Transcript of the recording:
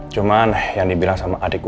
cuman yang dibilang sama adik gue